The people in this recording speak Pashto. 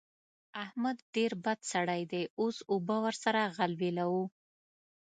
احمد ډېر بد سړی دی؛ اوس اوبه ور سره غلبېلوو.